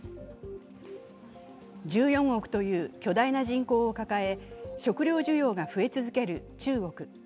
１４億という巨大な人口を抱え食料需要が増え続ける中国。